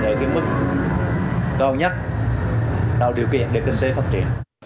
ở mức cao nhất đạo điều kiện để kinh tế phát triển